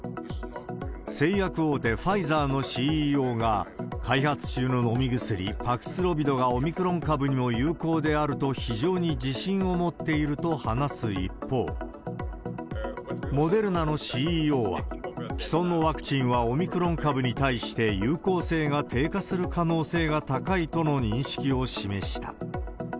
製薬大手ファイザーのＣＥＯが、開発中の飲み薬、パクスロビドがオミクロン株にも有効であると、非常に自信を持っていると話す一方、モデルナのＣＥＯは、既存のワクチンはオミクロン株に対して有効性が低下する可能性が高いとの認識を示した。